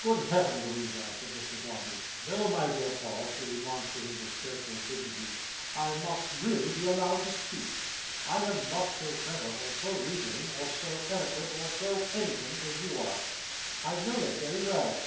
"Good Heaven, Louisa!" said Mr Dombey. "No, my dear Paul," she remonstrated with tearful dignity, "I must really be allowed to speak. I am not so clever, or so reasoning, or so eloquent, or so anything, as you are. I know that very well.